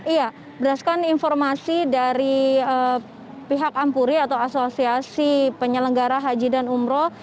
iya berdasarkan informasi dari pihak ampuri atau asosiasi penyelenggara haji dan umroh